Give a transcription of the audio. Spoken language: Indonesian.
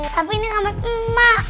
tapi ini kamar emak